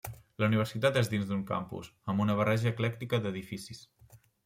La universitat és dins d'un campus, amb una barreja eclèctica d'edificis.